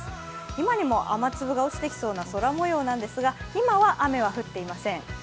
今にも雨粒が落ちてきそうな空もようなんですが今は雨は降っていません。